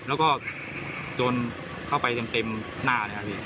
แล้วก็โดนเข้าไปเต็มหน้าเลยครับพี่